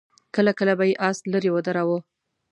کله کله به يې آس ليرې ودراوه.